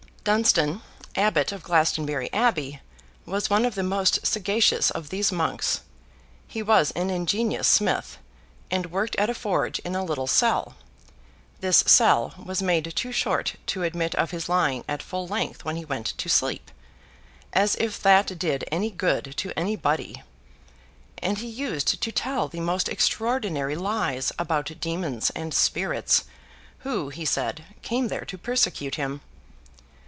Dunstan, Abbot of Glastonbury Abbey, was one of the most sagacious of these monks. He was an ingenious smith, and worked at a forge in a little cell. This cell was made too short to admit of his lying at full length when he went to sleep—as if that did any good to anybody!—and he used to tell the most extraordinary lies about demons and spirits, who, he said, came there to persecute him.